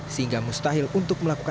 sehingga mustahil untuk menerima penerapan